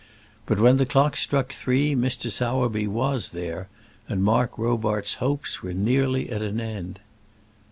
But when the clock struck three, Mr. Sowerby was there, and Mark Robarts's hopes were nearly at an end.